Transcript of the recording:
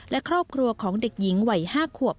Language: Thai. และครอบครัวของเด็กหญิงวัย๕ขวบ